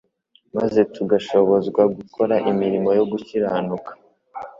maze tugashobozwa gukora imirimo yo gukiranuka